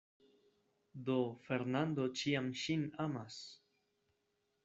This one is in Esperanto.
Do Fernando ĉiam ŝin amas.